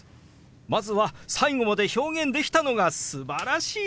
まずは最後まで表現できたのがすばらしいですよ！